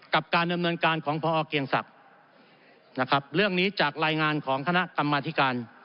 กับการดำเนินการของพอเกียงศักดิ์นะครับเรื่องนี้จากรายงานของคณะกรรมธิการ